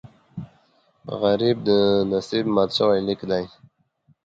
غریب د نصیب مات شوی لیک دی